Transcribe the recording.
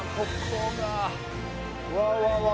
うわうわうわ。